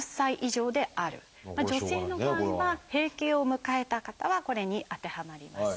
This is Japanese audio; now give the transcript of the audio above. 女性の場合は閉経を迎えた方はこれに当てはまります。